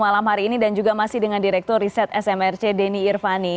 malam hari ini dan juga masih dengan direktur riset smrc denny irvani